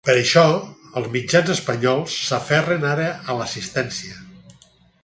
Per això els mitjans espanyols s’aferren ara a l’assistència.